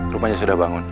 rumahnya sudah bangun